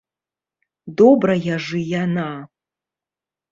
Добрая ж і яна!